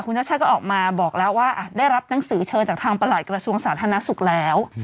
คุณชาติชาติก็ออกมาบอกแล้วว่าได้รับหนังสือเชิญจากทางประหลัดกระทรวงสาธารณสุขแล้ว